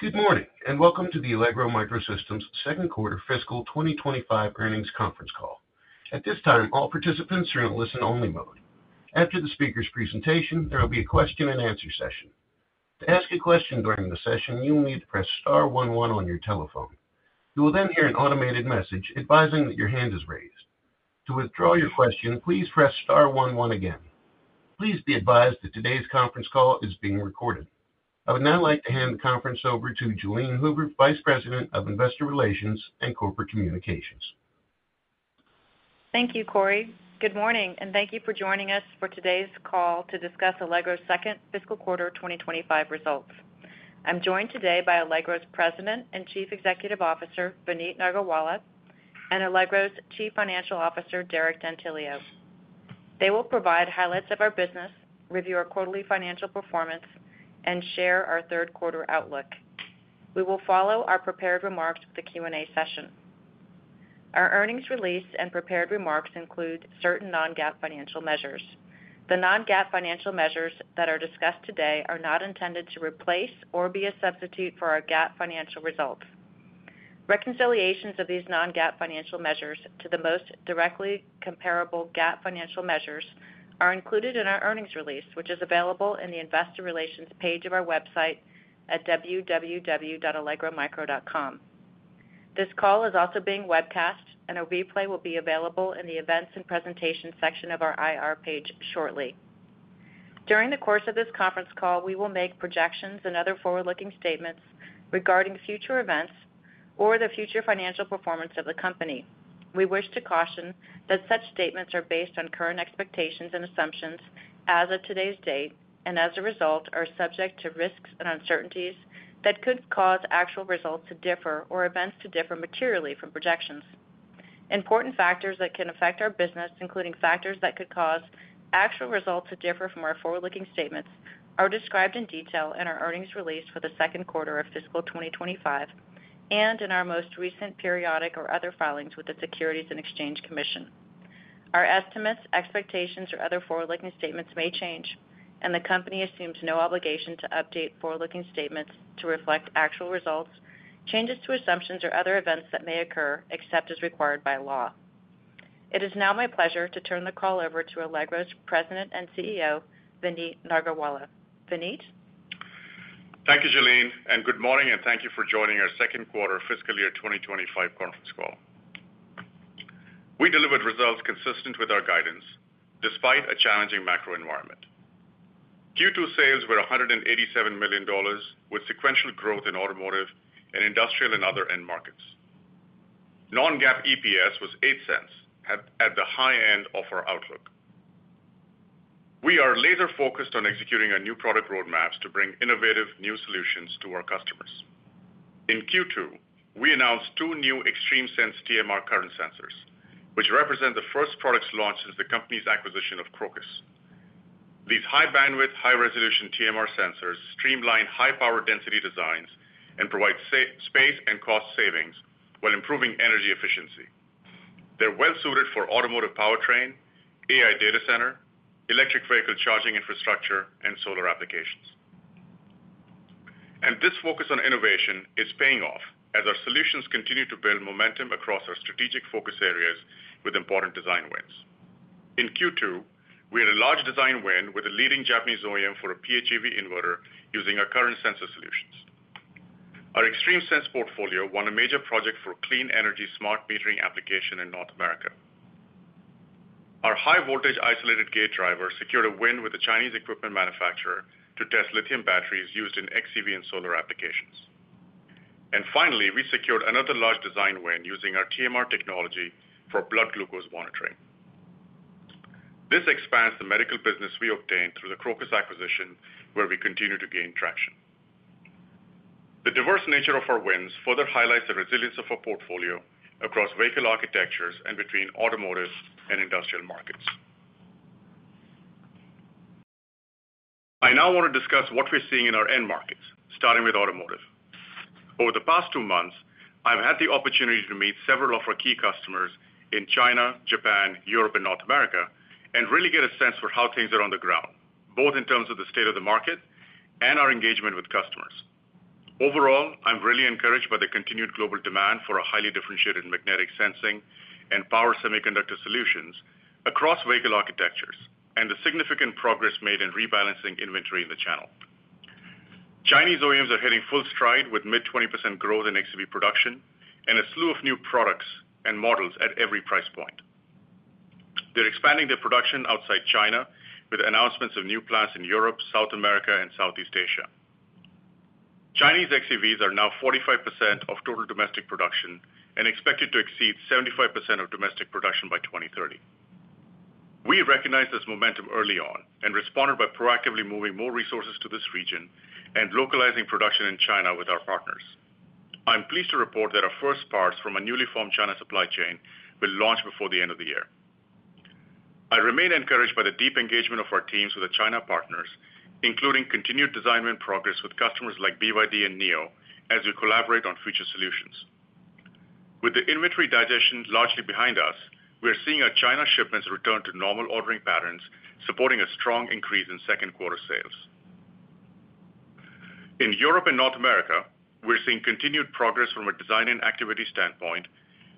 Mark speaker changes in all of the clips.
Speaker 1: Good morning and welcome to the Allegro MicroSystems Second Quarter Fiscal 2025 Earnings Conference Call. At this time, all participants are in a listen-only mode. After the speaker's presentation, there will be a question-and-answer session. To ask a question during the session, you will need to press star one one on your telephone. You will then hear an automated message advising that your hand is raised. To withdraw your question, please press star one one again. Please be advised that today's conference call is being recorded. I would now like to hand the conference over to Jalene Hoover, Vice President of Investor Relations and Corporate Communications.
Speaker 2: Thank you, Corey. Good morning, and thank you for joining us for today's call to discuss Allegro's second fiscal quarter 2025 results. I'm joined today by Allegro's President and Chief Executive Officer, Vineet Nargolwala, and Allegro's Chief Financial Officer, Derek D'Antilio. They will provide highlights of our business, review our quarterly financial performance, and share our third quarter outlook. We will follow our prepared remarks with a Q&A session. Our earnings release and prepared remarks include certain non-GAAP financial measures. The non-GAAP financial measures that are discussed today are not intended to replace or be a substitute for our GAAP financial results. Reconciliations of these non-GAAP financial measures to the most directly comparable GAAP financial measures are included in our earnings release, which is available in the Investor Relations page of our website at www.allegromicro.com. This call is also being webcast, and a replay will be available in the events and presentations section of our IR page shortly. During the course of this conference call, we will make projections and other forward-looking statements regarding future events or the future financial performance of the company. We wish to caution that such statements are based on current expectations and assumptions as of today's date and, as a result, are subject to risks and uncertainties that could cause actual results to differ or events to differ materially from projections. Important factors that can affect our business, including factors that could cause actual results to differ from our forward-looking statements, are described in detail in our earnings release for the second quarter of fiscal 2025 and in our most recent periodic or other filings with the Securities and Exchange Commission. Our estimates, expectations, or other forward-looking statements may change, and the company assumes no obligation to update forward-looking statements to reflect actual results, changes to assumptions, or other events that may occur except as required by law. It is now my pleasure to turn the call over to Allegro's President and CEO, Vineet Nargolwala. Vineet?
Speaker 3: Thank you, Jalene, and good morning, and thank you for joining our second quarter fiscal year 2025 conference call. We delivered results consistent with our guidance despite a challenging macro environment. Q2 sales were $187 million, with sequential growth in automotive and industrial and other end markets. Non-GAAP EPS was $0.08, at the high end of our outlook. We are laser-focused on executing our new product roadmaps to bring innovative new solutions to our customers. In Q2, we announced two new XtremeSense TMR current sensors, which represent the first products launched since the company's acquisition of Crocus. These high-bandwidth, high-resolution TMR sensors streamline high-power density designs and provide space and cost savings while improving energy efficiency. They're well-suited for automotive powertrain, AI data center, electric vehicle charging infrastructure, and solar applications. And this focus on innovation is paying off as our solutions continue to build momentum across our strategic focus areas with important design wins. In Q2, we had a large design win with a leading Japanese OEM for a PHEV inverter using our current sensor solutions. Our XtremeSense portfolio won a major project for a clean energy smart metering application in North America. Our high-voltage isolated gate driver secured a win with a Chinese equipment manufacturer to test lithium batteries used in xEV and solar applications. And finally, we secured another large design win using our TMR technology for blood glucose monitoring. This expands the medical business we obtained through the Crocus acquisition, where we continue to gain traction. The diverse nature of our wins further highlights the resilience of our portfolio across vehicle architectures and between automotive and industrial markets. I now want to discuss what we're seeing in our end markets, starting with automotive. Over the past two months, I've had the opportunity to meet several of our key customers in China, Japan, Europe, and North America and really get a sense for how things are on the ground, both in terms of the state of the market and our engagement with customers. Overall, I'm really encouraged by the continued global demand for our highly differentiated magnetic sensing and power semiconductor solutions across vehicle architectures and the significant progress made in rebalancing inventory in the channel. Chinese OEMs are hitting full stride with mid-20% growth in xEV production and a slew of new products and models at every price point. They're expanding their production outside China with announcements of new plants in Europe, South America, and Southeast Asia. Chinese xEVs are now 45% of total domestic production and expected to exceed 75% of domestic production by 2030. We recognized this momentum early on and responded by proactively moving more resources to this region and localizing production in China with our partners. I'm pleased to report that our first parts from a newly formed China supply chain will launch before the end of the year. I remain encouraged by the deep engagement of our teams with our China partners, including continued design win progress with customers like BYD and NIO as we collaborate on future solutions. With the inventory digestion largely behind us, we're seeing our China shipments return to normal ordering patterns, supporting a strong increase in second quarter sales. In Europe and North America, we're seeing continued progress from a design and activity standpoint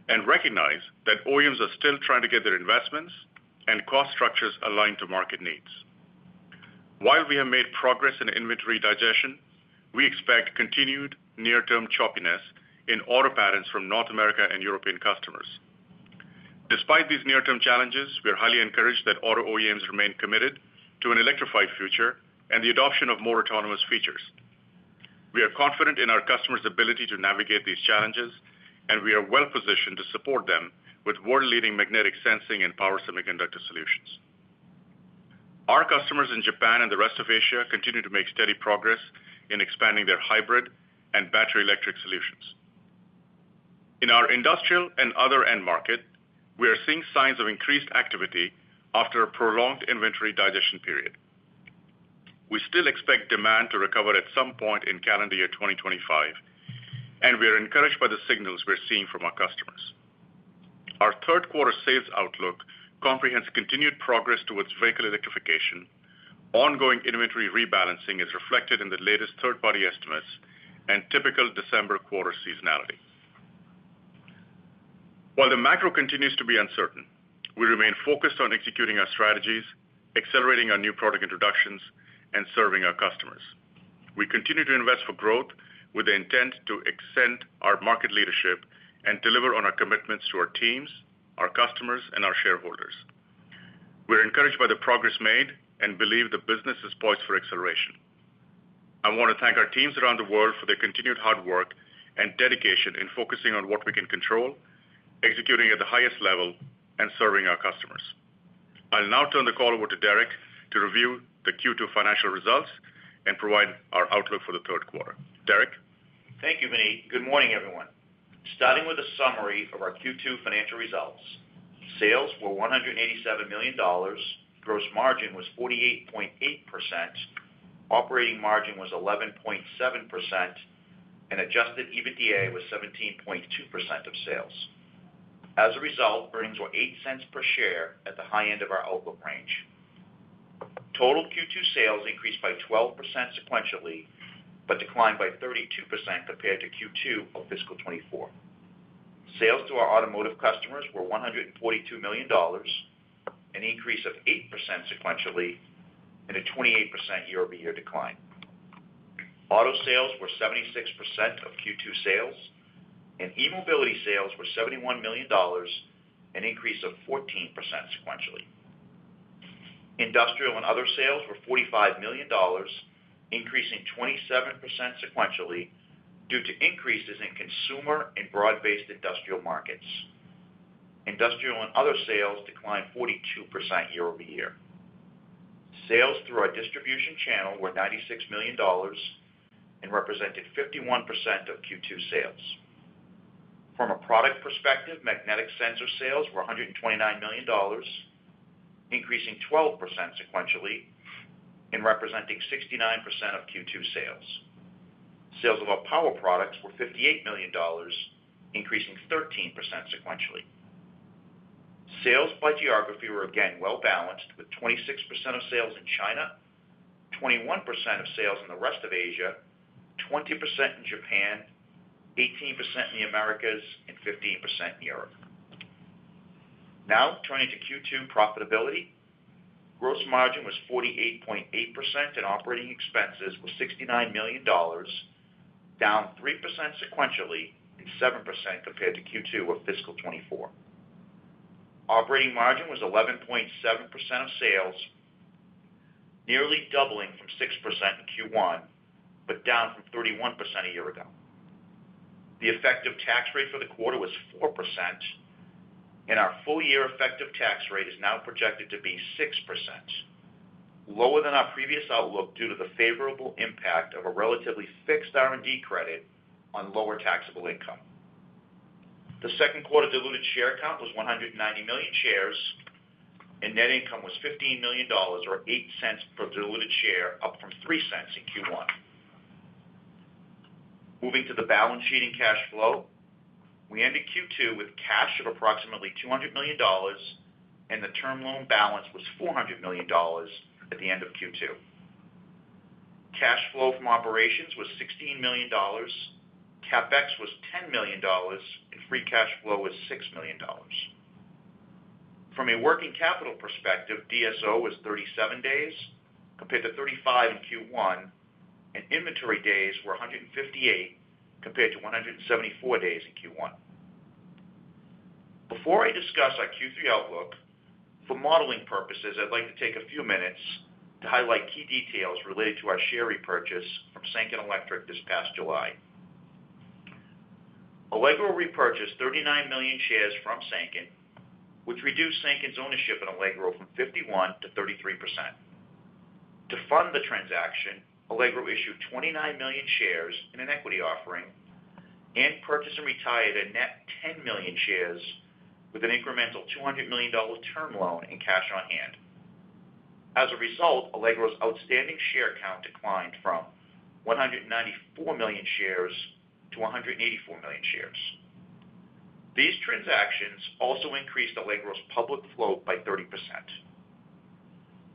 Speaker 3: and recognize that OEMs are still trying to get their investments and cost structures aligned to market needs. While we have made progress in inventory digestion, we expect continued near-term choppiness in auto patterns from North America and European customers. Despite these near-term challenges, we are highly encouraged that auto OEMs remain committed to an electrified future and the adoption of more autonomous features. We are confident in our customers' ability to navigate these challenges, and we are well-positioned to support them with world-leading magnetic sensing and power semiconductor solutions. Our customers in Japan and the rest of Asia continue to make steady progress in expanding their hybrid and battery electric solutions. In our industrial and other end market, we are seeing signs of increased activity after a prolonged inventory digestion period. We still expect demand to recover at some point in calendar year 2025, and we are encouraged by the signals we're seeing from our customers. Our third quarter sales outlook comprehends continued progress towards vehicle electrification. Ongoing inventory rebalancing is reflected in the latest third-party estimates and typical December quarter seasonality. While the macro continues to be uncertain, we remain focused on executing our strategies, accelerating our new product introductions, and serving our customers. We continue to invest for growth with the intent to extend our market leadership and deliver on our commitments to our teams, our customers, and our shareholders. We're encouraged by the progress made and believe the business is poised for acceleration. I want to thank our teams around the world for their continued hard work and dedication in focusing on what we can control, executing at the highest level, and serving our customers. I'll now turn the call over to Derek to review the Q2 financial results and provide our outlook for the third quarter. Derek?
Speaker 4: Thank you, Vineet. Good morning, everyone. Starting with a summary of our Q2 financial results. Sales were $187 million. Gross margin was 48.8%. Operating margin was 11.7%, and adjusted EBITDA was 17.2% of sales. As a result, earnings were $0.08 per share at the high end of our outlook range. Total Q2 sales increased by 12% sequentially but declined by 32% compared to Q2 of fiscal 2024. Sales to our automotive customers were $142 million, an increase of 8% sequentially and a 28% year-over-year decline. Auto sales were 76% of Q2 sales, and e-mobility sales were $71 million, an increase of 14% sequentially. Industrial and other sales were $45 million, increasing 27% sequentially due to increases in consumer and broad-based industrial markets. Industrial and other sales declined 42% year-over-year. Sales through our distribution channel were $96 million and represented 51% of Q2 sales. From a product perspective, magnetic sensor sales were $129 million, increasing 12% sequentially and representing 69% of Q2 sales. Sales of our power products were $58 million, increasing 13% sequentially. Sales by geography were again well-balanced, with 26% of sales in China, 21% of sales in the rest of Asia, 20% in Japan, 18% in the Americas, and 15% in Europe. Now turning to Q2 profitability. Gross margin was 48.8%, and operating expenses were $69 million, down 3% sequentially and 7% compared to Q2 of fiscal 2024. Operating margin was 11.7% of sales, nearly doubling from 6% in Q1 but down from 31% a year ago. The effective tax rate for the quarter was 4%, and our full-year effective tax rate is now projected to be 6%, lower than our previous outlook due to the favorable impact of a relatively fixed R&D credit on lower taxable income. The second quarter diluted share count was 190 million shares, and net income was $15 million, or $0.08 per diluted share, up from $0.03 in Q1. Moving to the balance sheet and cash flow, we ended Q2 with cash of approximately $200 million, and the term loan balance was $400 million at the end of Q2. Cash flow from operations was $16 million. Capex was $10 million, and free cash flow was $6 million. From a working capital perspective, DSO was 37 days compared to 35 in Q1, and inventory days were 158 compared to 174 days in Q1. Before I discuss our Q3 outlook, for modeling purposes, I'd like to take a few minutes to highlight key details related to our share repurchase from Sanken Electric this past July. Allegro repurchased 39 million shares from Sanken, which reduced Sanken's ownership in Allegro from 51% to 33%. To fund the transaction, Allegro issued 29 million shares in an equity offering and purchased and retired a net 10 million shares with an incremental $200 million term loan and cash on hand. As a result, Allegro's outstanding share count declined from 194 million shares to 184 million shares. These transactions also increased Allegro's public float by 30%.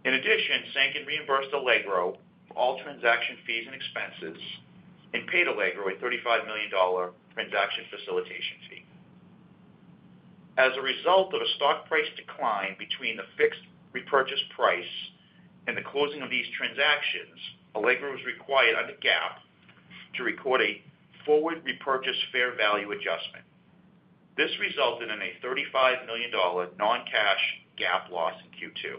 Speaker 4: In addition, Sanken reimbursed Allegro for all transaction fees and expenses and paid Allegro a $35 million transaction facilitation fee. As a result of a stock price decline between the fixed repurchase price and the closing of these transactions, Allegro was required under GAAP to record a forward repurchase fair value adjustment. This resulted in a $35 million non-cash GAAP loss in Q2.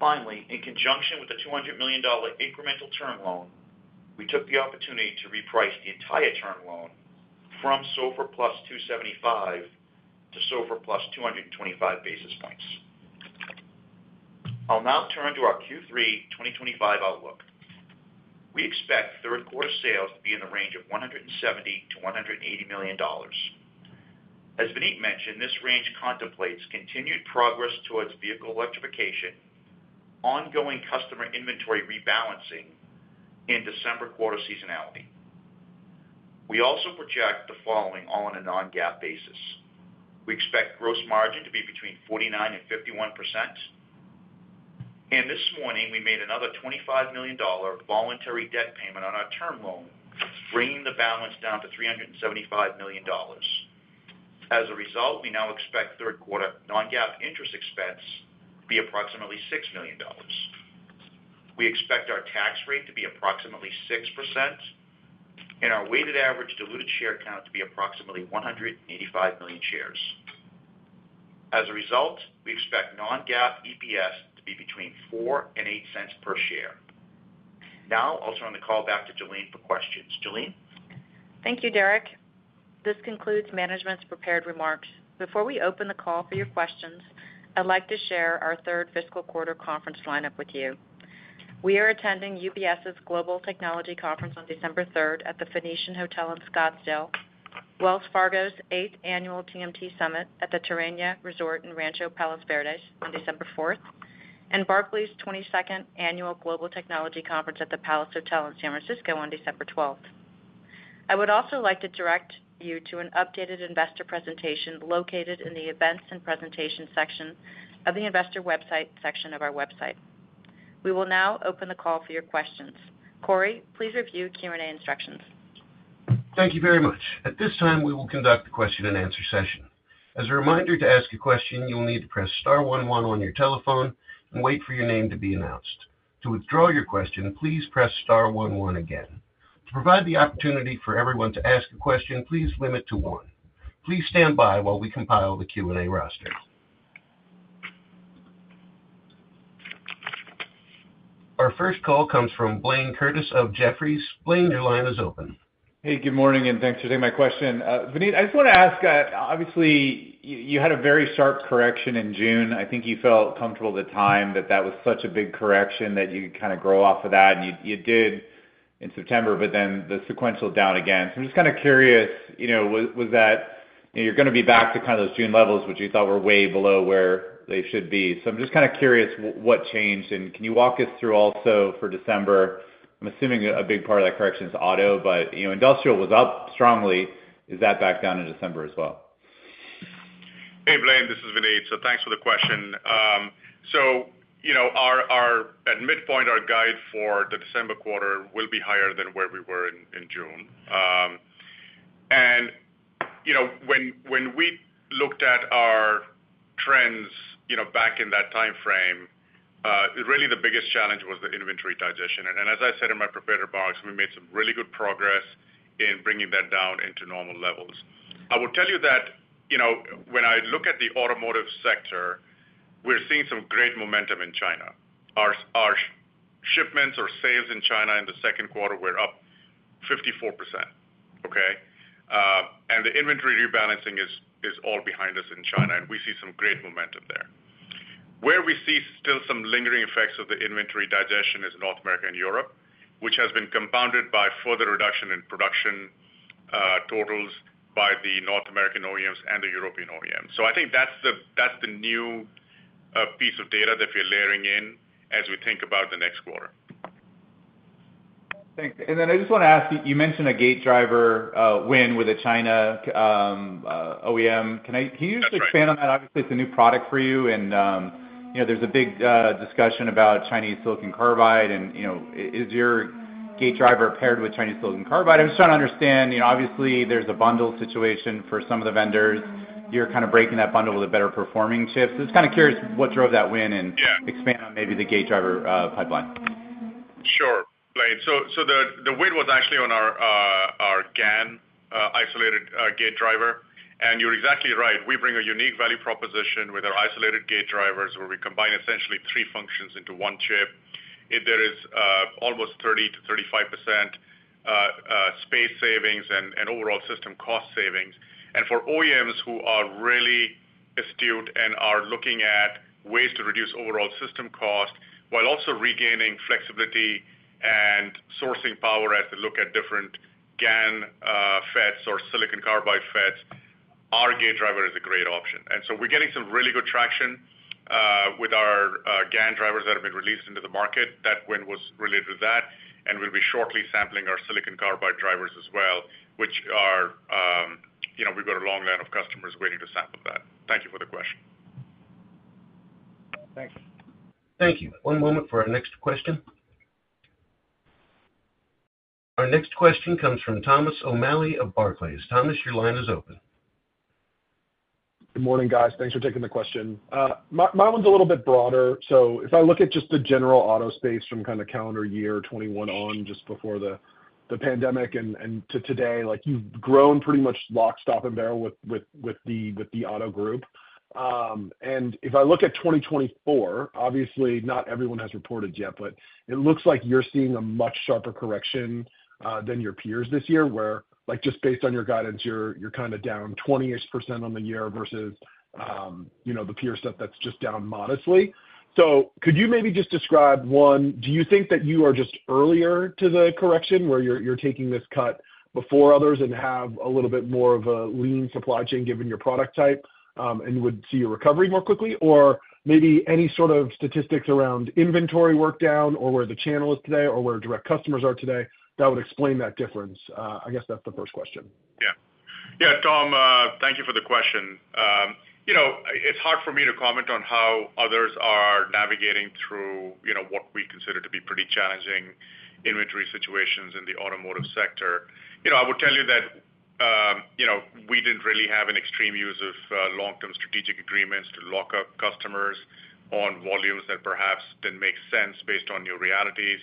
Speaker 4: Finally, in conjunction with the $200 million incremental term loan, we took the opportunity to reprice the entire term loan from SOFR plus 275 to SOFR plus 225 basis points. I'll now turn to our Q3 2025 outlook. We expect third quarter sales to be in the range of $170-$180 million. As Vineet mentioned, this range contemplates continued progress towards vehicle electrification, ongoing customer inventory rebalancing, and December quarter seasonality. We also project the following all on a non-GAAP basis. We expect gross margin to be between 49%-51%. And this morning, we made another $25 million voluntary debt payment on our term loan, bringing the balance down to $375 million. As a result, we now expect third quarter non-GAAP interest expense to be approximately $6 million. We expect our tax rate to be approximately 6% and our weighted average diluted share count to be approximately 185 million shares. As a result, we expect non-GAAP EPS to be between $0.04 and $0.08 per share. Now I'll turn the call back to Jalene for questions. Jalene?
Speaker 2: Thank you, Derek. This concludes management's prepared remarks. Before we open the call for your questions, I'd like to share our third fiscal quarter conference lineup with you. We are attending UBS's Global Technology Conference on December 3rd at the Phoenician Hotel in Scottsdale, Wells Fargo's 8th Annual TMT Summit at the Terranea Resort and Rancho Palos Verdes on December 4th, and Barclays' 22nd Annual Global Technology Conference at the Palace Hotel in San Francisco on December 12th. I would also like to direct you to an updated investor presentation located in the Events and Presentations section of the Investor Website section of our website. We will now open the call for your questions. Corey, please review Q&A instructions.
Speaker 1: Thank you very much. At this time, we will conduct a question-and-answer session. As a reminder to ask a question, you will need to press star one one on your telephone and wait for your name to be announced. To withdraw your question, please press star one one again. To provide the opportunity for everyone to ask a question, please limit to one. Please stand by while we compile the Q&A roster. Our first call comes from Blayne Curtis of Jefferies. Blayne, your line is open.
Speaker 5: Hey, good morning, and thanks for taking my question. Vineet, I just want to ask, obviously, you had a very sharp correction in June. I think you felt comfortable at the time that that was such a big correction that you could kind of grow off of that. And you did in September, but then the sequential down again. So I'm just kind of curious what you're going to be back to kind of those June levels, which you thought were way below where they should be. So I'm just kind of curious what changed, and can you walk us through also for December? I'm assuming a big part of that correction is auto, but industrial was up strongly. Is that back down in December as well?
Speaker 3: Hey, Blayne, this is Vineet. So thanks for the question. So at midpoint, our guide for the December quarter will be higher than where we were in June. And when we looked at our trends back in that timeframe, really the biggest challenge was the inventory digestion. And as I said in my prepared remarks, we made some really good progress in bringing that down into normal levels. I will tell you that when I look at the automotive sector, we're seeing some great momentum in China. Our shipments or sales in China in the second quarter were up 54%. Okay? And the inventory rebalancing is all behind us in China, and we see some great momentum there. Where we see still some lingering effects of the inventory digestion is North America and Europe, which has been compounded by further reduction in production totals by the North American OEMs and the European OEM. So I think that's the new piece of data that we're layering in as we think about the next quarter.
Speaker 5: Thanks. And then I just want to ask, you mentioned a gate driver win with a Chinese OEM. Can you just expand on that? Obviously, it's a new product for you, and there's a big discussion about Chinese silicon carbide. And is your gate driver paired with Chinese silicon carbide? I'm just trying to understand. Obviously, there's a bundle situation for some of the vendors. You're kind of breaking that bundle with a better-performing chip. So just kind of curious what drove that win and expand on maybe the gate driver pipeline.
Speaker 3: Sure. Blayne, so the win was actually on our GaN isolated gate driver. And you're exactly right. We bring a unique value proposition with our isolated gate drivers where we combine essentially three functions into one chip. There is almost 30%-35% space savings and overall system cost savings. And for OEMs who are really astute and are looking at ways to reduce overall system cost while also regaining flexibility and sourcing power as they look at different GaN FETs or silicon carbide FETs, our gate driver is a great option. And so we're getting some really good traction with our GaN drivers that have been released into the market. That win was related to that, and we'll be shortly sampling our silicon carbide drivers as well, which we've got a long line of customers waiting to sample that. Thank you for the question.
Speaker 5: Thanks.
Speaker 1: Thank you. One moment for our next question. Our next question comes from Thomas O'Malley of Barclays. Thomas, your line is open.
Speaker 6: Good morning, guys. Thanks for taking the question. My one's a little bit broader. So if I look at just the general auto space from kind of calendar year 2021 on just before the pandemic and to today, you've grown pretty much lock, stock, and barrel with the auto group. And if I look at 2024, obviously, not everyone has reported yet, but it looks like you're seeing a much sharper correction than your peers this year where, just based on your guidance, you're kind of down 20-ish% on the year versus the peer stuff that's just down modestly. So could you maybe just describe, one, do you think that you are just earlier to the correction where you're taking this cut before others and have a little bit more of a lean supply chain given your product type and would see a recovery more quickly? Or maybe any sort of statistics around inventory drawdown or where the channel is today or where direct customers are today that would explain that difference? I guess that's the first question.
Speaker 3: Yeah. Yeah, Tom, thank you for the question. It's hard for me to comment on how others are navigating through what we consider to be pretty challenging inventory situations in the automotive sector. I will tell you that we didn't really have an extreme use of long-term strategic agreements to lock up customers on volumes that perhaps didn't make sense based on new realities.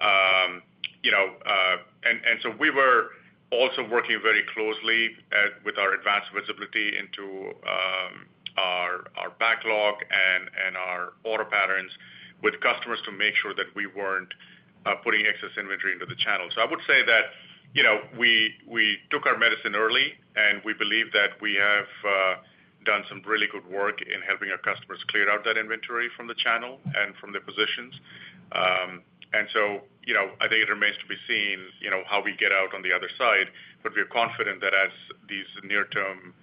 Speaker 3: And so we were also working very closely with our advanced visibility into our backlog and our order patterns with customers to make sure that we weren't putting excess inventory into the channel. So I would say that we took our medicine early, and we believe that we have done some really good work in helping our customers clear out that inventory from the channel and from their positions. And so I think it remains to be seen how we get out on the other side, but we're confident that as these near-term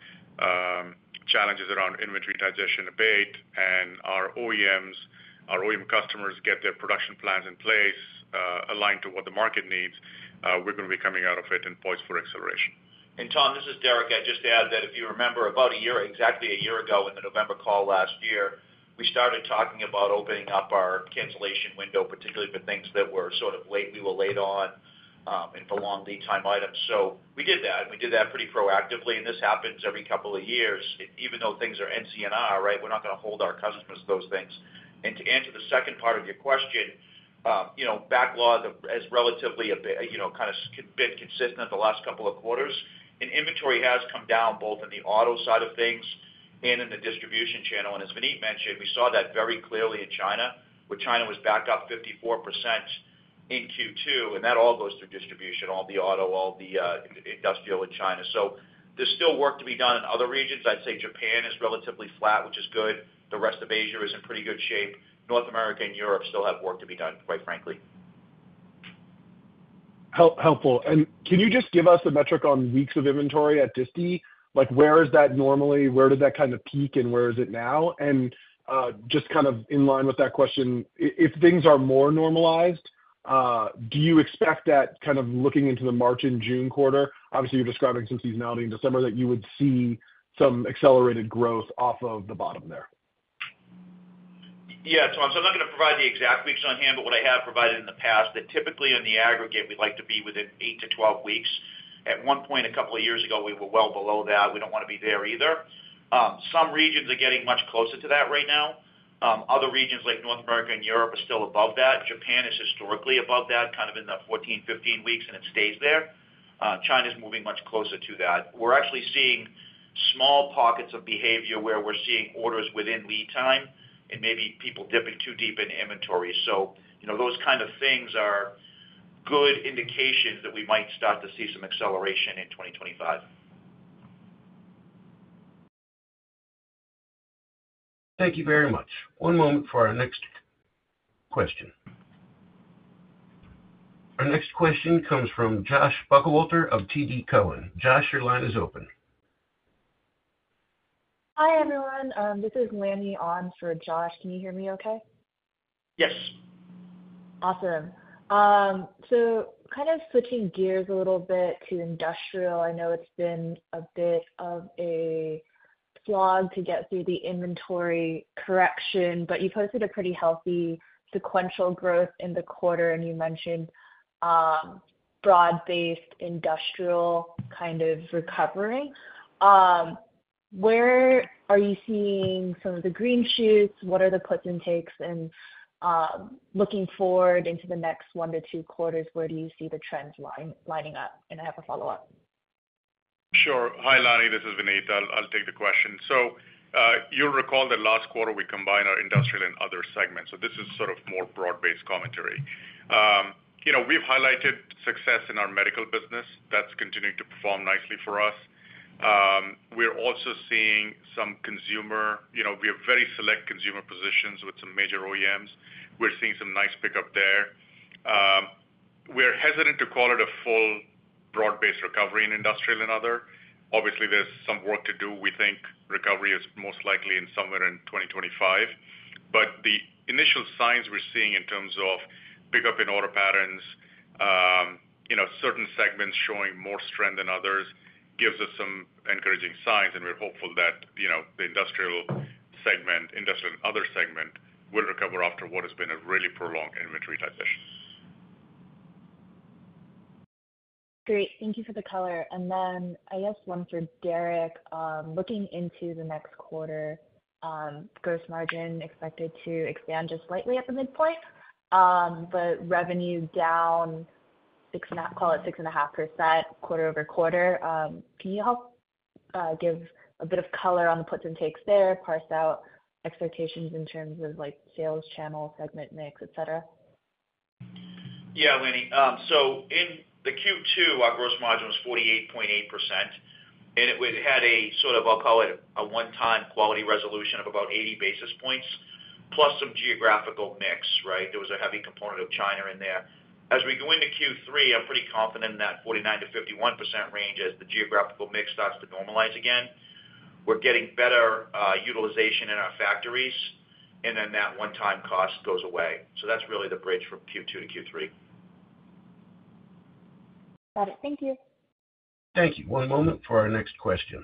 Speaker 3: challenges around inventory digestion abate and our OEMs, our OEM customers get their production plans in place aligned to what the market needs, we're going to be coming out of it in points for acceleration.
Speaker 4: Tom, this is Derek. I'd just add that if you remember, about a year, exactly a year ago in the November call last year, we started talking about opening up our cancellation window, particularly for things that were sort of we were late on and for long lead time items. So we did that, and we did that pretty proactively. This happens every couple of years. Even though things are NCNR, right, we're not going to hold our customers to those things. To answer the second part of your question, backlog has relatively kind of been consistent the last couple of quarters. Inventory has come down both in the auto side of things and in the distribution channel. And as Vineet mentioned, we saw that very clearly in China, where China was back up 54% in Q2, and that all goes through distribution, all the auto, all the industrial in China. So there's still work to be done in other regions. I'd say Japan is relatively flat, which is good. The rest of Asia is in pretty good shape. North America and Europe still have work to be done, quite frankly.
Speaker 6: Helpful. And can you just give us a metric on weeks of inventory at disties, like where is that normally, where did that kind of peak, and where is it now? And just kind of in line with that question, if things are more normalized, do you expect that kind of looking into the March and June quarter, obviously you're describing some seasonality in December, that you would see some accelerated growth off of the bottom there?
Speaker 4: Yeah, Tom. So I'm not going to provide the exact weeks on hand, but what I have provided in the past, that typically in the aggregate, we'd like to be within eight to 12 weeks. At one point a couple of years ago, we were well below that. We don't want to be there either. Some regions are getting much closer to that right now. Other regions like North America and Europe are still above that. Japan is historically above that, kind of in the 14, 15 weeks, and it stays there. China is moving much closer to that. We're actually seeing small pockets of behavior where we're seeing orders within lead time and maybe people dipping too deep in inventory. So those kind of things are good indications that we might start to see some acceleration in 2025.
Speaker 1: Thank you very much. One moment for our next question. Our next question comes from Josh Buchalter of TD Cowen. Josh, your line is open.
Speaker 7: Hi everyone. This is Lannie on for Josh. Can you hear me okay?
Speaker 1: Yes.
Speaker 7: Awesome. So kind of switching gears a little bit to industrial, I know it's been a bit of a slog to get through the inventory correction, but you posted a pretty healthy sequential growth in the quarter, and you mentioned broad-based industrial kind of recovery. Where are you seeing some of the green shoots? What are the puts and takes? And looking forward into the next one to two quarters, where do you see the trends lining up? And I have a follow-up.
Speaker 3: Sure. Hi, Lannie. This is Vineet. I'll take the question. So you'll recall that last quarter we combined our industrial and other segments. So this is sort of more broad-based commentary. We've highlighted success in our medical business. That's continuing to perform nicely for us. We're also seeing some consumer - we have very select consumer positions with some major OEMs. We're seeing some nice pickup there. We're hesitant to call it a full broad-based recovery in industrial and other. Obviously, there's some work to do. We think recovery is most likely in somewhere in 2025. But the initial signs we're seeing in terms of pickup in order patterns, certain segments showing more strength than others, gives us some encouraging signs, and we're hopeful that the industrial segment, industrial and other segment, will recover after what has been a really prolonged inventory digestion.
Speaker 7: Great. Thank you for the color. And then I guess one for Derek. Looking into the next quarter, gross margin expected to expand just slightly at the midpoint, but revenue down, call it 6.5% quarter over quarter. Can you help give a bit of color on the puts and takes there, parse out expectations in terms of sales channel, segment mix, etc.?
Speaker 4: Yeah, Lannie. So in Q2, our gross margin was 48.8%, and it had a sort of, I'll call it a one-time quality resolution of about 80 basis points, plus some geographical mix, right? There was a heavy component of China in there. As we go into Q3, I'm pretty confident in that 49%-51% range as the geographical mix starts to normalize again. We're getting better utilization in our factories, and then that one-time cost goes away. So that's really the bridge from Q2 to Q3.
Speaker 7: Got it. Thank you.
Speaker 1: Thank you. One moment for our next question.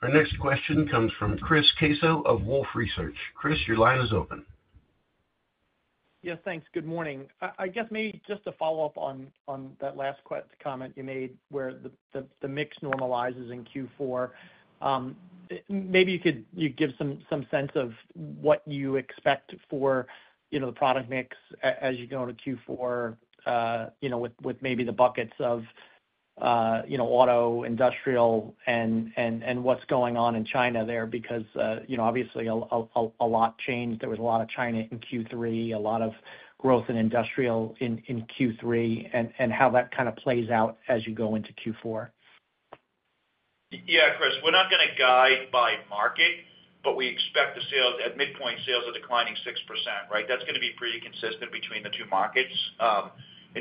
Speaker 1: Our next question comes from Chris Caso of Wolfe Research. Chris, your line is open.
Speaker 8: Yeah, thanks. Good morning. I guess maybe just to follow up on that last comment you made where the mix normalizes in Q4, maybe you could give some sense of what you expect for the product mix as you go into Q4 with maybe the buckets of auto, industrial, and what's going on in China there because obviously a lot changed. There was a lot of China in Q3, a lot of growth in industrial in Q3, and how that kind of plays out as you go into Q4.
Speaker 4: Yeah, Chris, we're not going to guide by market, but we expect the sales at midpoint, sales are declining 6%, right? That's going to be pretty consistent between the two markets. And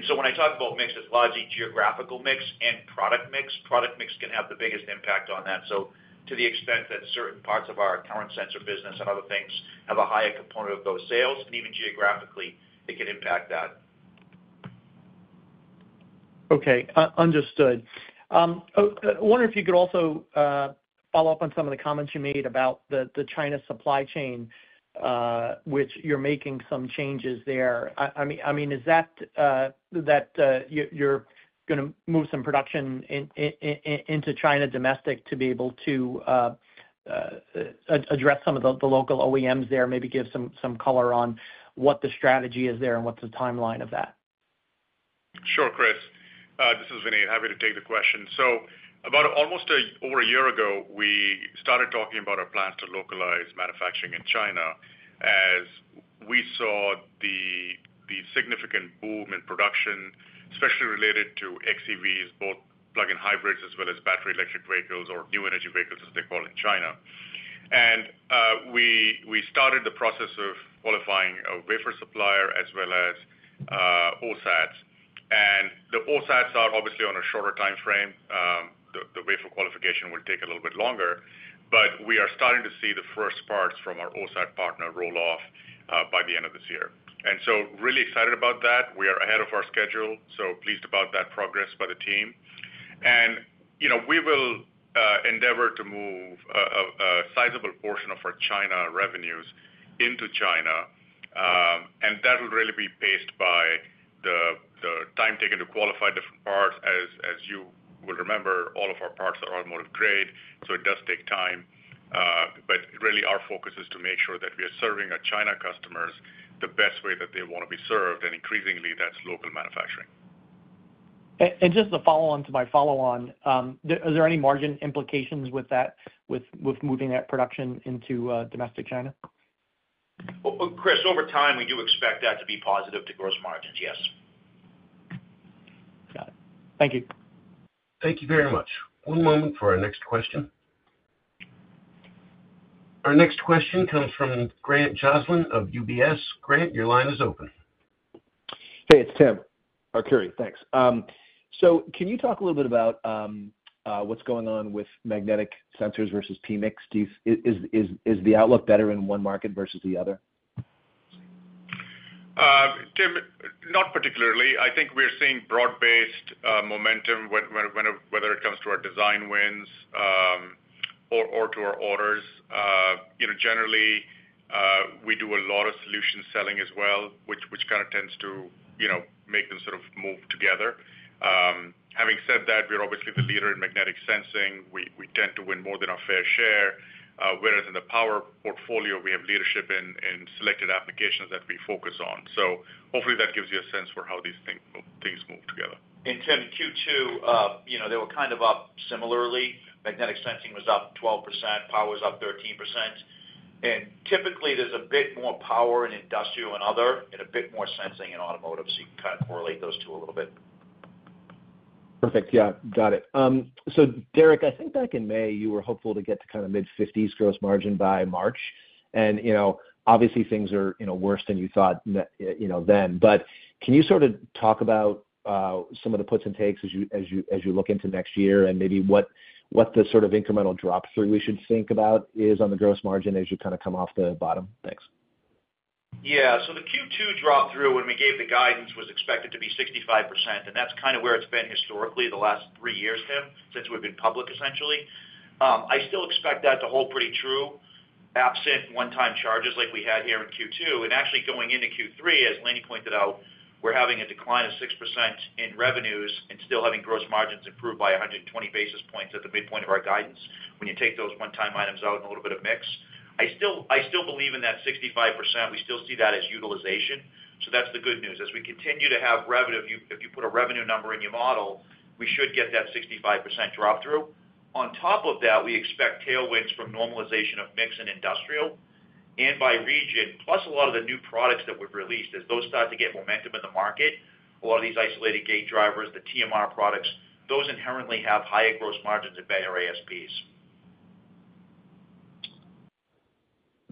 Speaker 4: so when I talk about mix, it's largely geographical mix and product mix. Product mix can have the biggest impact on that. So to the extent that certain parts of our current sensor business and other things have a higher component of those sales, and even geographically, it can impact that.
Speaker 8: Okay. Understood. I wonder if you could also follow up on some of the comments you made about the China supply chain, which you're making some changes there. I mean, is that you're going to move some production into China domestic to be able to address some of the local OEMs there, maybe give some color on what the strategy is there and what's the timeline of that?
Speaker 3: Sure, Chris. This is Vineet. Happy to take the question, so about almost over a year ago, we started talking about our plans to localize manufacturing in China as we saw the significant boom in production, especially related to xEVs, both plug-in hybrids as well as battery electric vehicles or new energy vehicles, as they call it in China, and we started the process of qualifying a wafer supplier as well as OSATs, and the OSATs are obviously on a shorter time frame. The wafer qualification will take a little bit longer, but we are starting to see the first parts from our OSAT partner roll off by the end of this year, and so really excited about that. We are ahead of our schedule, so pleased about that progress by the team. And we will endeavor to move a sizable portion of our China revenues into China, and that will really be paced by the time taken to qualify different parts. As you will remember, all of our parts are automotive grade, so it does take time. But really, our focus is to make sure that we are serving our China customers the best way that they want to be served, and increasingly, that's local manufacturing.
Speaker 8: Just to follow on to my follow-on, is there any margin implications with moving that production into domestic China?
Speaker 4: Chris, over time, we do expect that to be positive to gross margins, yes.
Speaker 8: Got it. Thank you.
Speaker 1: Thank you very much. One moment for our next question. Our next question comes from Grant Joslin of UBS. Grant, your line is open.
Speaker 9: Hey, it's Tim Arcuri. Thanks. So can you talk a little bit about what's going on with magnetic sensors versus PMIC? Is the outlook better in one market versus the other?
Speaker 3: Tim, not particularly. I think we're seeing broad-based momentum, whether it comes to our design wins or to our orders. Generally, we do a lot of solution selling as well, which kind of tends to make them sort of move together. Having said that, we're obviously the leader in magnetic sensing. We tend to win more than our fair share, whereas in the power portfolio, we have leadership in selected applications that we focus on. So hopefully that gives you a sense for how these things move together.
Speaker 4: And Tim, Q2, they were kind of up similarly. Magnetic sensing was up 12%, power was up 13%. And typically, there's a bit more power in industrial and other and a bit more sensing in automotive, so you can kind of correlate those two a little bit.
Speaker 9: Perfect. Yeah. Got it. So Derek, I think back in May, you were hopeful to get to kind of mid-50s gross margin by March. And obviously, things are worse than you thought then. But can you sort of talk about some of the puts and takes as you look into next year and maybe what the sort of incremental drop-through we should think about is on the gross margin as you kind of come off the bottom? Thanks.
Speaker 4: Yeah. So the Q2 drop-through, when we gave the guidance, was expected to be 65%, and that's kind of where it's been historically the last three years, Tim, since we've been public, essentially. I still expect that to hold pretty true, absent one-time charges like we had here in Q2. And actually going into Q3, as Lannie pointed out, we're having a decline of 6% in revenues and still having gross margins improved by 120 basis points at the midpoint of our guidance when you take those one-time items out and a little bit of mix. I still believe in that 65%. We still see that as utilization. So that's the good news. As we continue to have revenue, if you put a revenue number in your model, we should get that 65% drop-through. On top of that, we expect tailwinds from normalization of mix and industrial and by region, plus a lot of the new products that we've released. As those start to get momentum in the market, a lot of these isolated gate drivers, the TMR products, those inherently have higher gross margins at better ASPs.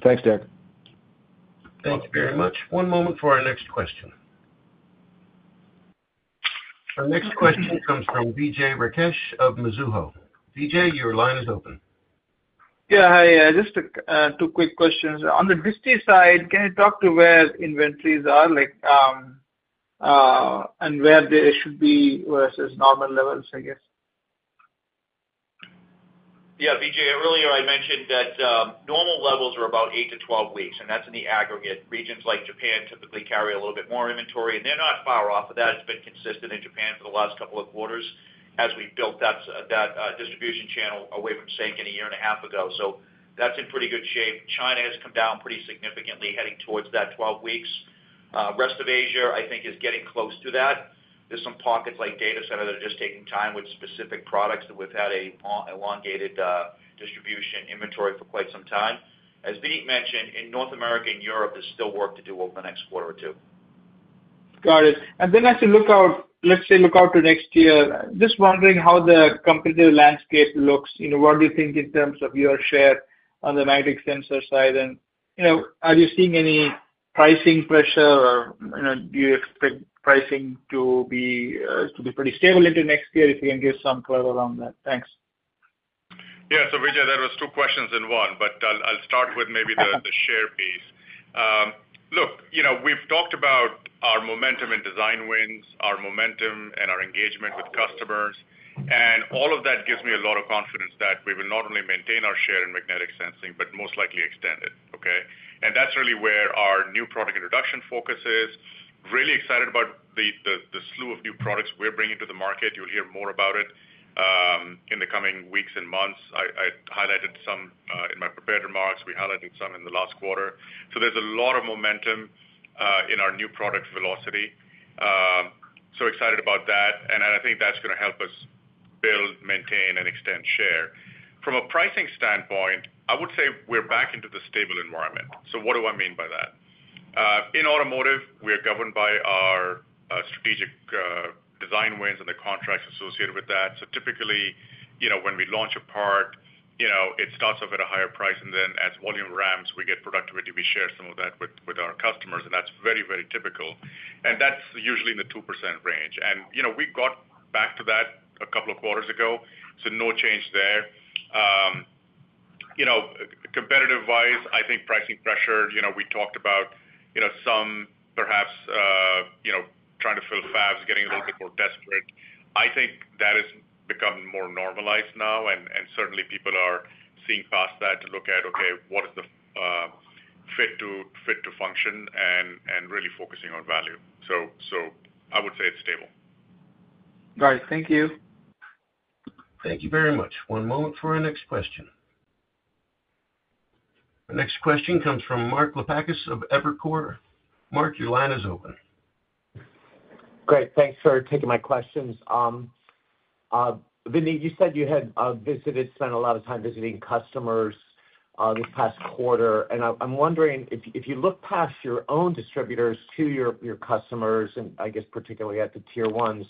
Speaker 9: Thanks, Derek.
Speaker 1: Thank you very much. One moment for our next question. Our next question comes from Vijay Rakesh of Mizuho. Vijay, your line is open.
Speaker 10: Yeah. Hi. Just two quick questions. On the disty side, can you talk to where inventories are and where they should be versus normal levels, I guess?
Speaker 4: Yeah. Vijay, earlier I mentioned that normal levels are about 8-12 weeks, and that's in the aggregate. Regions like Japan typically carry a little bit more inventory, and they're not far off of that. It's been consistent in Japan for the last couple of quarters as we built that distribution channel away from Sanken a year and a half ago. So that's in pretty good shape. China has come down pretty significantly heading towards that 12 weeks. Rest of Asia, I think, is getting close to that. There's some pockets like data center that are just taking time with specific products that we've had an elongated distribution inventory for quite some time. As Vineet mentioned, in North America and Europe, there's still work to do over the next quarter or two.
Speaker 10: Got it. And then as you look out, let's say look out to next year, just wondering how the competitive landscape looks. What do you think in terms of your share on the magnetic sensor side? And are you seeing any pricing pressure, or do you expect pricing to be pretty stable into next year if you can give some color on that? Thanks.
Speaker 3: Yeah. So Vijay, that was two questions in one, but I'll start with maybe the share piece. Look, we've talked about our momentum in design wins, our momentum, and our engagement with customers. And all of that gives me a lot of confidence that we will not only maintain our share in magnetic sensing, but most likely extend it, okay? And that's really where our new product introduction focus is. Really excited about the slew of new products we're bringing to the market. You'll hear more about it in the coming weeks and months. I highlighted some in my prepared remarks. We highlighted some in the last quarter. So there's a lot of momentum in our new product velocity. So excited about that. And I think that's going to help us build, maintain, and extend share. From a pricing standpoint, I would say we're back into the stable environment. So what do I mean by that? In automotive, we're governed by our strategic design wins and the contracts associated with that. Typically, when we launch a part, it starts off at a higher price, and then as volume ramps, we get productivity. We share some of that with our customers, and that's very, very typical. That's usually in the 2% range. We got back to that a couple of quarters ago, so no change there. Competitive-wise, I think pricing pressure, we talked about some perhaps trying to fill fabs, getting a little bit more desperate. I think that has become more normalized now, and certainly people are seeing past that to look at, okay, what is the form, fit, and function and really focusing on value. I would say it's stable.
Speaker 10: Got it. Thank you.
Speaker 1: Thank you very much. One moment for our next question. Our next question comes from Mark Lipacis of Evercore. Mark, your line is open.
Speaker 11: Great. Thanks for taking my questions. Vineet, you said you had visited, spent a lot of time visiting customers this past quarter. And I'm wondering, if you look past your own distributors to your customers, and I guess particularly at the tier ones,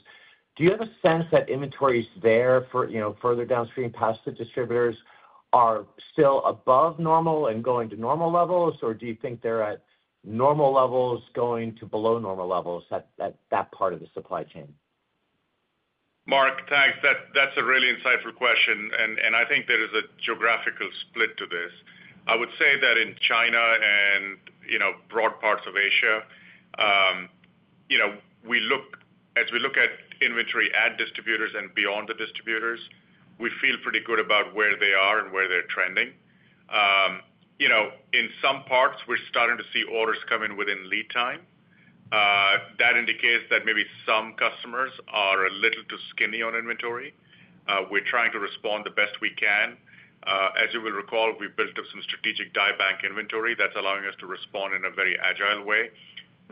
Speaker 11: do you have a sense that inventories there further downstream past the distributors are still above normal and going to normal levels, or do you think they're at normal levels going to below normal levels at that part of the supply chain?
Speaker 3: Mark, thanks. That's a really insightful question, and I think there is a geographical split to this. I would say that in China and broad parts of Asia, as we look at inventory at distributors and beyond the distributors, we feel pretty good about where they are and where they're trending. In some parts, we're starting to see orders come in within lead time. That indicates that maybe some customers are a little too skinny on inventory. We're trying to respond the best we can. As you will recall, we've built up some strategic die bank inventory that's allowing us to respond in a very agile way.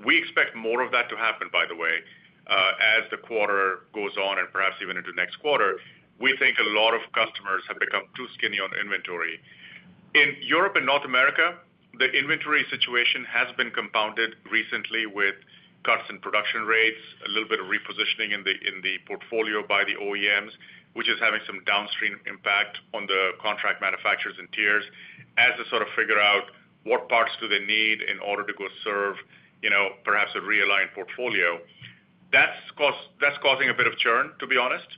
Speaker 3: We expect more of that to happen, by the way, as the quarter goes on and perhaps even into next quarter. We think a lot of customers have become too skinny on inventory. In Europe and North America, the inventory situation has been compounded recently with cuts in production rates, a little bit of repositioning in the portfolio by the OEMs, which is having some downstream impact on the contract manufacturers and tiers as they sort of figure out what parts do they need in order to go serve perhaps a realigned portfolio. That's causing a bit of churn, to be honest.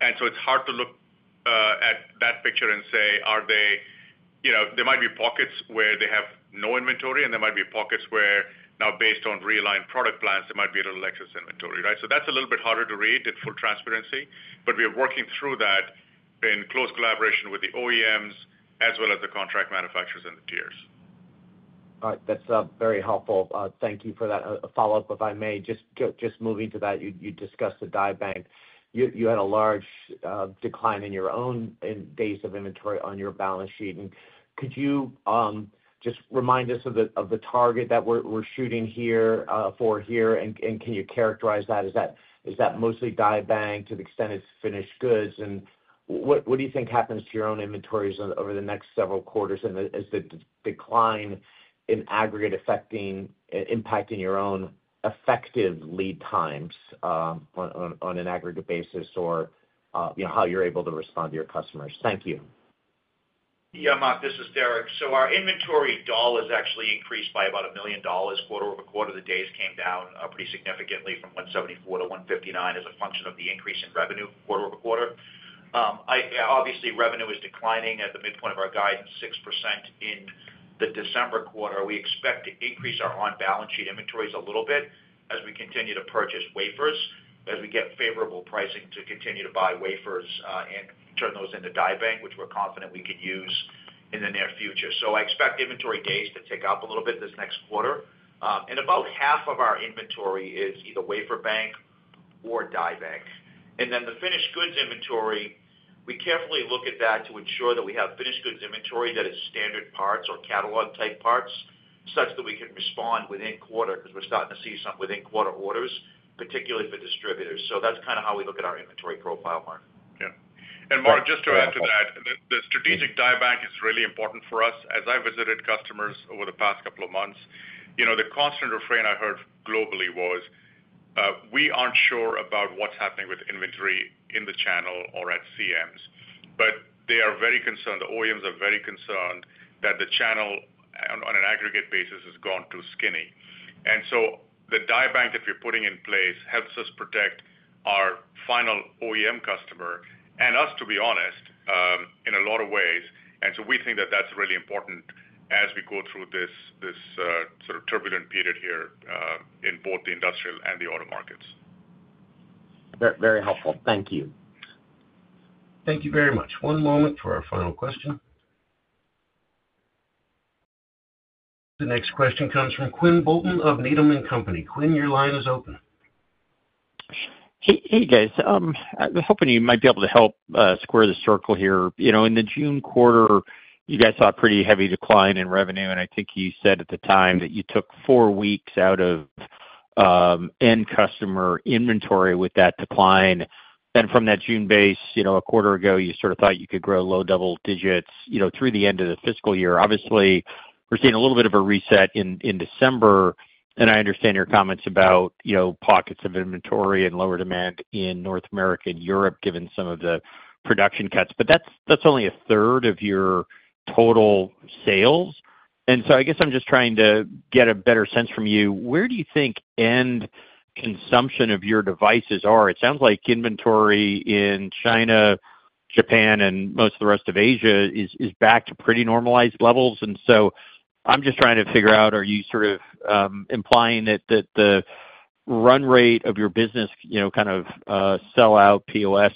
Speaker 3: And so it's hard to look at that picture and say, are they? There might be pockets where they have no inventory, and there might be pockets where now, based on realigned product plans, there might be a little excess inventory, right? So that's a little bit harder to read in full transparency, but we are working through that in close collaboration with the OEMs as well as the contract manufacturers and the tiers.
Speaker 11: All right. That's very helpful. Thank you for that. A follow-up, if I may, just moving to that, you discussed the die bank. You had a large decline in your own days of inventory on your balance sheet. And could you just remind us of the target that we're shooting here for here, and can you characterize that? Is that mostly die bank to the extent it's finished goods? And what do you think happens to your own inventories over the next several quarters? And is the decline in aggregate impacting your own effective lead times on an aggregate basis or how you're able to respond to your customers? Thank you.
Speaker 4: Yeah, Mark, this is Derek. So our inventory dollars has actually increased by about $1 million. Quarter over quarter, the days came down pretty significantly from 174 to 159 as a function of the increase in revenue quarter over quarter. Obviously, revenue is declining at the midpoint of our guidance, 6% in the December quarter. We expect to increase our on-balance sheet inventories a little bit as we continue to purchase wafers, as we get favorable pricing to continue to buy wafers and turn those into die bank, which we're confident we can use in the near future. So I expect inventory days to tick up a little bit this next quarter. And about half of our inventory is either wafer bank or die bank. And then the finished goods inventory, we carefully look at that to ensure that we have finished goods inventory that is standard parts or catalog-type parts such that we can respond within quarter because we're starting to see some within-quarter orders, particularly for distributors. So that's kind of how we look at our inventory profile, Mark.
Speaker 3: Yeah. And Mark, just to add to that, the strategic die bank is really important for us. As I visited customers over the past couple of months, the constant refrain I heard globally was, "We aren't sure about what's happening with inventory in the channel or at CMs." But they are very concerned. The OEMs are very concerned that the channel on an aggregate basis has gone too skinny. And so the die bank that we're putting in place helps us protect our final OEM customer and us, to be honest, in a lot of ways. And so we think that that's really important as we go through this sort of turbulent period here in both the industrial and the auto markets.
Speaker 11: Very helpful. Thank you.
Speaker 1: Thank you very much. One moment for our final question. The next question comes from Quinn Bolton of Needham & Company. Quinn, your line is open.
Speaker 12: Hey, guys. I was hoping you might be able to help square the circle here. In the June quarter, you guys saw a pretty heavy decline in revenue, and I think you said at the time that you took four weeks out of end customer inventory with that decline. Then from that June base, a quarter ago, you sort of thought you could grow low double digits through the end of the fiscal year. Obviously, we're seeing a little bit of a reset in December, and I understand your comments about pockets of inventory and lower demand in North America and Europe given some of the production cuts, but that's only a third of your total sales. And so I guess I'm just trying to get a better sense from you. Where do you think end consumption of your devices are? It sounds like inventory in China, Japan, and most of the rest of Asia is back to pretty normalized levels. And so I'm just trying to figure out, are you sort of implying that the run rate of your business kind of sell-out POS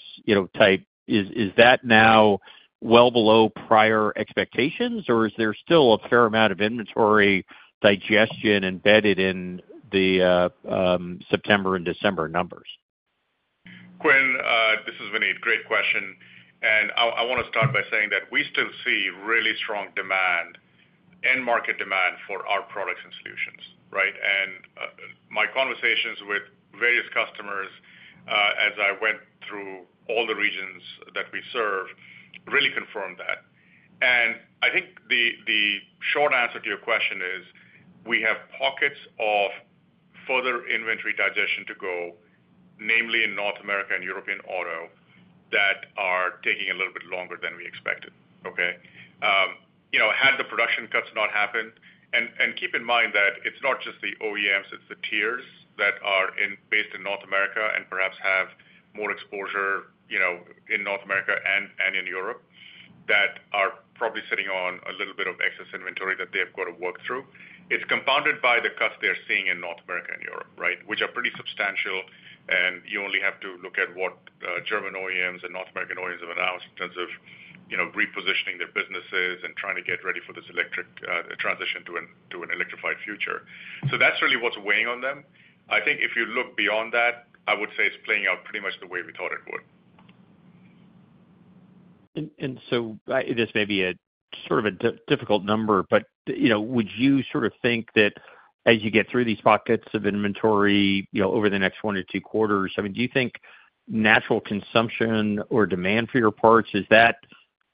Speaker 12: type, is that now well below prior expectations, or is there still a fair amount of inventory digestion embedded in the September and December numbers?
Speaker 3: Quinn, this is Vineet. Great question, and I want to start by saying that we still see really strong demand, end market demand for our products and solutions, right, and my conversations with various customers as I went through all the regions that we serve really confirmed that, and I think the short answer to your question is we have pockets of further inventory digestion to go, namely in North America and European auto that are taking a little bit longer than we expected, okay? Had the production cuts not happened, and keep in mind that it's not just the OEMs, it's the tiers that are based in North America and perhaps have more exposure in North America and in Europe that are probably sitting on a little bit of excess inventory that they've got to work through. It's compounded by the cuts they're seeing in North America and Europe, right, which are pretty substantial. And you only have to look at what German OEMs and North American OEMs have announced in terms of repositioning their businesses and trying to get ready for this electric transition to an electrified future. So that's really what's weighing on them. I think if you look beyond that, I would say it's playing out pretty much the way we thought it would.
Speaker 12: And so this may be sort of a difficult number, but would you sort of think that as you get through these pockets of inventory over the next one or two quarters, I mean, do you think natural consumption or demand for your parts is that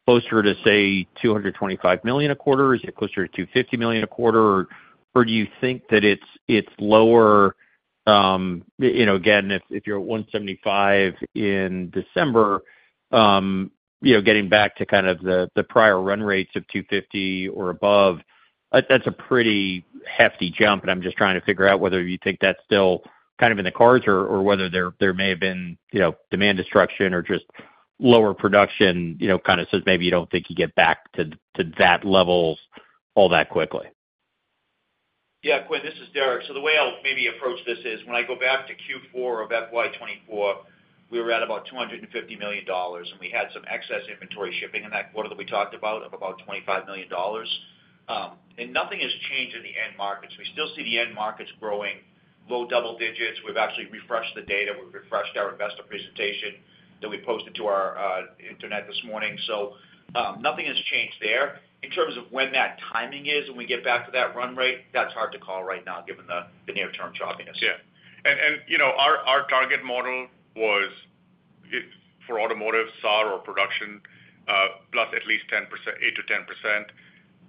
Speaker 12: closer to, say, $225 million a quarter? Is it closer to $250 million a quarter, or do you think that it's lower? Again, if you're at $175 million in December, getting back to kind of the prior run rates of $250 million or above, that's a pretty hefty jump. And I'm just trying to figure out whether you think that's still kind of in the cards or whether there may have been demand destruction or just lower production kind of says maybe you don't think you get back to that level all that quickly.
Speaker 4: Yeah, Quinn, this is Derek. So the way I'll maybe approach this is when I go back to Q4 of FY 2024, we were at about $250 million, and we had some excess inventory shipping in that quarter that we talked about of about $25 million. Nothing has changed in the end markets. We still see the end markets growing low double digits. We've actually refreshed the data. We refreshed our investor presentation that we posted to our website this morning. Nothing has changed there. In terms of when that timing is when we get back to that run rate, that's hard to call right now given the near-term choppiness.
Speaker 3: Yeah. And our target model was for automotive, SAAR, or production, plus at least 8%-10%.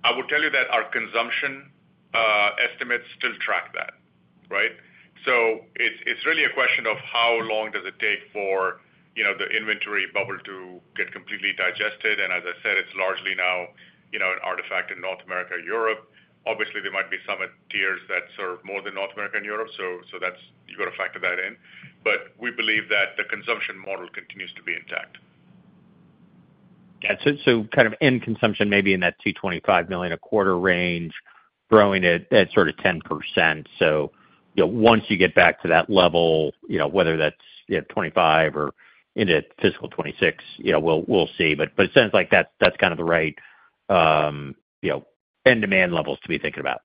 Speaker 3: I would tell you that our consumption estimates still track that, right? So it's really a question of how long does it take for the inventory bubble to get completely digested. And as I said, it's largely now an artifact in North America and Europe. Obviously, there might be some tiers that serve more than North America and Europe, so you got to factor that in. But we believe that the consumption model continues to be intact.
Speaker 12: Gotcha. So kind of end consumption maybe in that $225 million a quarter range, growing at sort of 10%. So once you get back to that level, whether that's 2025 or into fiscal 2026, we'll see. But it sounds like that's kind of the right end demand levels to be thinking about.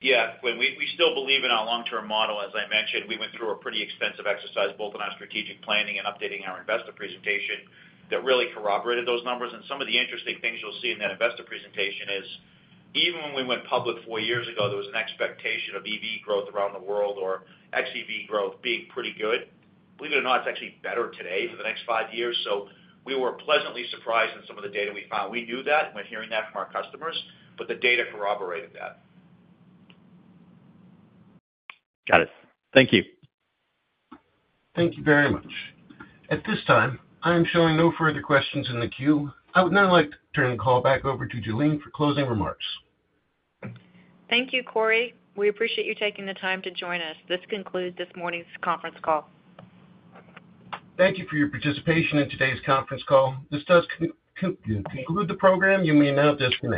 Speaker 4: Yeah. Quinn, we still believe in our long-term model. As I mentioned, we went through a pretty extensive exercise both in our strategic planning and updating our investor presentation that really corroborated those numbers. And some of the interesting things you'll see in that investor presentation is even when we went public four years ago, there was an expectation of EV growth around the world or xEV growth being pretty good. Believe it or not, it's actually better today for the next five years. So we were pleasantly surprised in some of the data we found. We knew that when hearing that from our customers, but the data corroborated that.
Speaker 12: Got it. Thank you.
Speaker 1: Thank you very much. At this time, I am showing no further questions in the queue. I would now like to turn the call back over to Jalene for closing remarks.
Speaker 2: Thank you, Corey. We appreciate you taking the time to join us. This concludes this morning's conference call.
Speaker 1: Thank you for your participation in today's conference call. This does conclude the program. You may now disconnect.